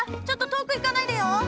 ちょっと遠く行かないでよ！